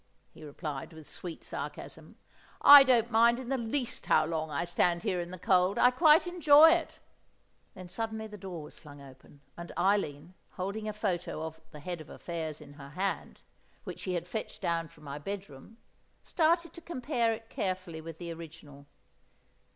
he replied, with sweet sarcasm. "I don't mind in the least how long I stand here in the cold. I quite enjoy it." Then suddenly the door was flung open, and Eileen, holding a photo of the Head of Affairs in her hand, which she had fetched down from my bedroom, started to compare it carefully with the original.